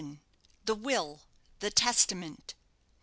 "THE WILL! THE TESTAMENT!"